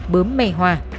bướm mê hoa